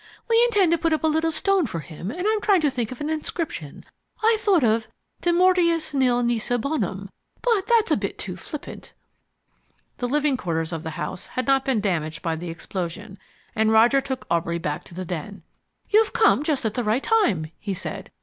We intend to put up a little stone for him, and I'm trying to think of an inscription, I thought of De Mortuis Nil Nisi Bonum, but that's a bit too flippant." The living quarters of the house had not been damaged by the explosion, and Roger took Aubrey back to the den. "You've come just at the right time," he said.